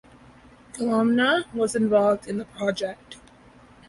Columna was involved in the project.